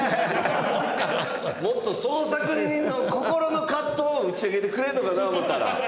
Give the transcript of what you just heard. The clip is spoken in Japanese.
もっと創作の心の葛藤を打ち明けてくれるのかな思ったら。